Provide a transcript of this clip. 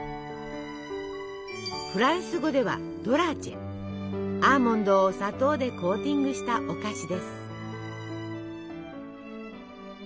フランス語ではアーモンドを砂糖でコーティングしたお菓子です。